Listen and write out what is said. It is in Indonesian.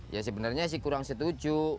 ya sebenarnya sih kurang setuju